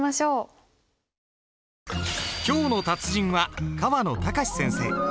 今日の達人は河野隆先生。